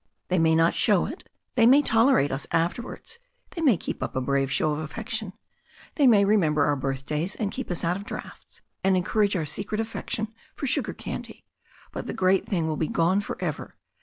They may not show it. They may tolerate us afterwards. They may keep up a brave show of affection. They may remember our birthdays and keep us out of draughts, and encourage our secret affection for sugar candy. But the great thing will be gone for ever.